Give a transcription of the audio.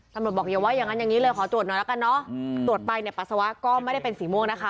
ตำรวจบอกว่าอย่างงั้นอย่างงี้เลยขอโดดหน่อยละกันเนาะโดดไปในปัสสาวะก็ไม่ได้เป็นสีม่วงนะคะ